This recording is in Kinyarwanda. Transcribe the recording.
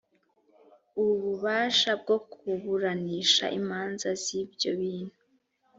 ububasha bwo kuburanisha imanza z ibyo bintu